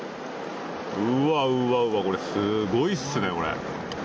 うわ、うわうわ、これすごいっすね、これ。